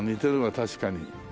確かに。